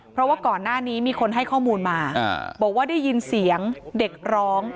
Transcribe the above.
เพราะว่าก่อนหน้านี้มีคนให้ข้อมูลมาบอกว่าได้ยินเสียงเด็กร้อง